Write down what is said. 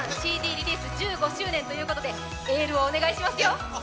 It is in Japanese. リリース１５周年ということでエールをお願いしますよ。